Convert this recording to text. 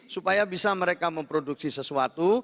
supaya bisa mereka memproduksi sesuatu